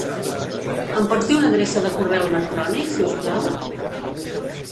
Em pots dir una adreça de correu electrònic, si us plau?